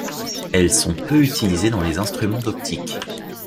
Elles sont peu utilisées dans les instruments d'optique.